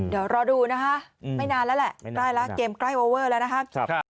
เดี๋ยวรอดูนะคะไม่นานแล้วแหละใกล้แล้วเกมใกล้โอเวอร์แล้วนะครับ